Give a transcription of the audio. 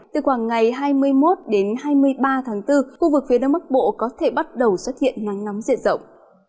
từ khoảng ngày hai mươi một đến hai mươi ba tháng bốn khu vực phía đông bắc bộ có thể bắt đầu xuất hiện nắng nóng diện rộng